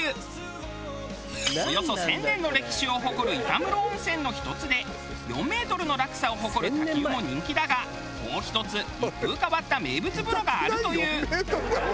およそ１０００年の歴史を誇る板室温泉の１つで４メートルの落差を誇る滝湯も人気だがもう１つ一風変わった名物風呂があるという。